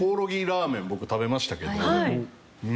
ラーメン僕食べましたけど。